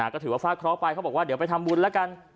ก็ถือว่าฟาดเคราะห์ไปเขาบอกว่าเดี๋ยวไปทำบุญแล้วกัน